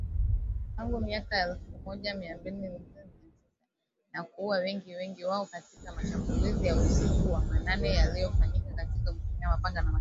Tangu miaka ya elfu moja mia tisa tisini na kuua raia wengi ambapo wengi wao ni katika mashambulizi ya usiku wa manane yaliyofanywa kwa kutumia mapanga na mashoka